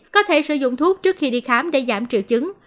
có thể sử dụng thuốc trước khi đi khám để giảm triệu chứng